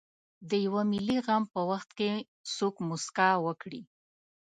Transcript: د یوه ملي غم په وخت دې څوک مسکا وکړي.